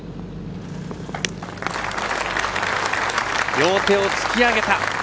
両手を突き上げた。